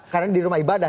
karena di rumah ibadah